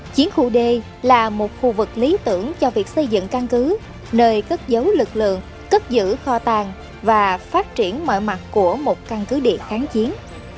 chiến khu d là một khu vực lý tưởng cho việc xây dựng căn cứ nơi cất dấu lực lượng cất giữ kho tàng và phát triển mọi mặt của một căn cứ địa kháng chiến